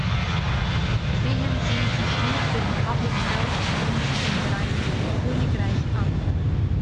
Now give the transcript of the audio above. Sehen Sie sich nur den public health Dienst im Vereinigten Königreich an!